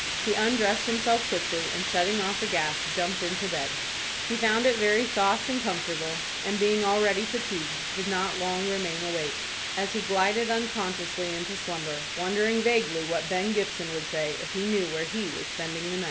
He undressed himself quickly, and, shutting off the gas, jumped into bed. He found it very soft and comfortable, and, being already fatigued, did not long remain awake, as he glided unconsciously into slumber, wondering vaguely what Ben Gibson would say if he knew where he was spending the night.